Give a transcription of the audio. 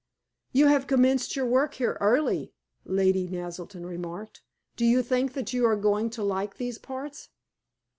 "You have commenced your work here early," Lady Naselton remarked. "Do you think that you are going to like these parts?"